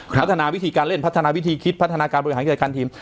พัฒนาวิธีการเล่นพัฒนาวิธีคิดพัฒนาการบริหารจัดการทีม